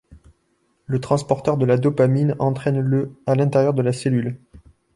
Le transporteur de la dopamine entraîne le à l'intérieur de la cellule.